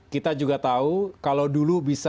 kita juga tahu kalau dulu bisa